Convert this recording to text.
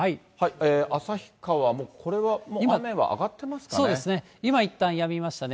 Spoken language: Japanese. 旭川も、これはもう、雨は上がっそうですね、今、いったんやみましたね。